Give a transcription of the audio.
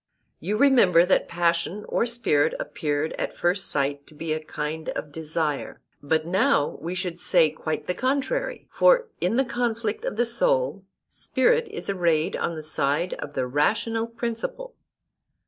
You remember that passion or spirit appeared at first sight to be a kind of desire, but now we should say quite the contrary; for in the conflict of the soul spirit is arrayed on the side of the rational principle.